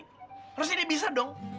harusnya dia bisa dong